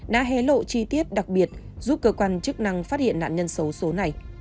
đã hé lộ chi tiết đặc biệt giúp cơ quan chức năng phát hiện nạn nhân xấu số này